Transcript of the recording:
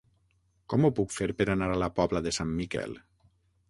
Com ho puc fer per anar a la Pobla de Sant Miquel?